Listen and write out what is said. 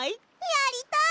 やりたい！